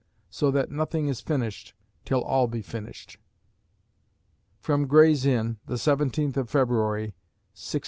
So that nothing is finished till all be finished. "From Gray's Inn, the 17th of February, 1610."